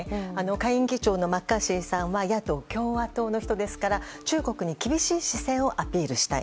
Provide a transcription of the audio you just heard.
下院議長のマッカーシーさんは野党・共和党の人ですから中国に厳しい姿勢をアピールしたい。